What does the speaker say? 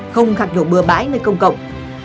không gạt lỗ bừa bãi nơi công cộng